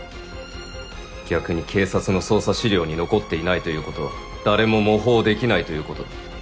逆に警察の捜査資料に残っていないということは誰も模倣できないということだ。